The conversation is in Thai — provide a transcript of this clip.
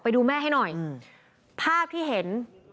ไปดูแม่ให้หน่อยภาพที่เห็น